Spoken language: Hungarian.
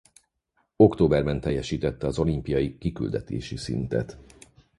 Októberben teljesítette az olimpiai kiküldetési szintet.